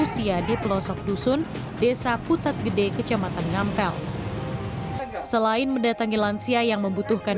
usia di pelosok dusun desa putat gede kecamatan ngampel selain mendatangi lansia yang membutuhkan